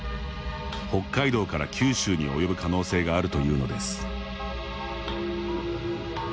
北海道から九州に及ぶ可能性があるというのです。